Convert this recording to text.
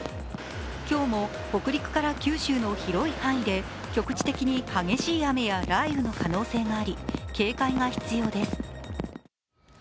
今日も北陸から九州の広い範囲で局地的に激しい雨や雷雨の可能性があり警戒が必要です。